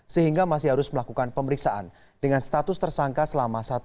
sehingga masih harus melakukan pemeriksaan dengan status tersangka selama satu x dua puluh empat jam